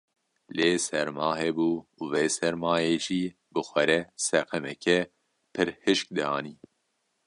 Lê serma hebû û vê sermayê jî bi xwe re seqemeke pir hişk dianî.